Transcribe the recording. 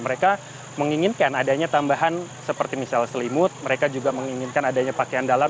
mereka menginginkan adanya tambahan seperti misal selimut mereka juga menginginkan adanya pakaian dalam